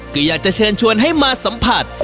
ก็อยากจะเชิญชวนให้มาสัมผัส